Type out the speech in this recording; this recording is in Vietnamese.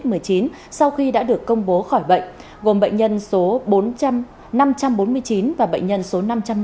các bệnh nhân đã được công bố khỏi bệnh gồm bệnh nhân số năm trăm bốn mươi chín và bệnh nhân số năm trăm năm mươi